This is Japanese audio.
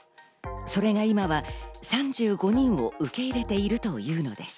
それが今は３５人を受け入れているというのです。